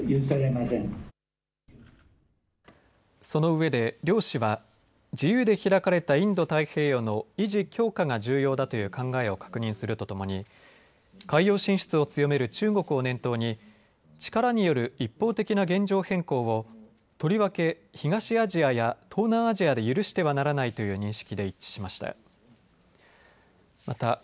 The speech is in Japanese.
その上で両氏は自由で開かれたインド太平洋の維持・強化が重要だという考えを確認するとともに海洋進出を強める中国を念頭に力による一方的な現状変更をとりわけ東アジアや東南アジアで許してはならないという認識で一致しました。